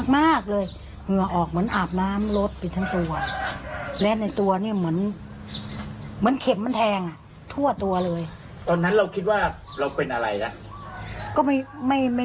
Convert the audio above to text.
ไม่คือว่าซังสัยว่าโดนอะไรเนอะ